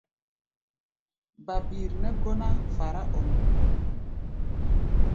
Babir nɛ́ gɔ́ná fará-ɔ-nu.